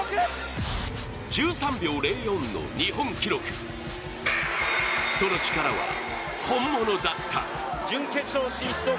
１３秒０４の日本記録、その力は本物だった。